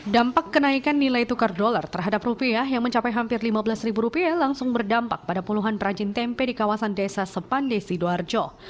dampak kenaikan nilai tukar dolar terhadap rupiah yang mencapai hampir lima belas ribu rupiah langsung berdampak pada puluhan perajin tempe di kawasan desa sepande sidoarjo